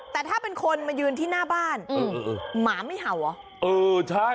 แต่ถ้าเป็นคนมายืนที่หน้าบ้านหมาไม่เห่าเหรอเออใช่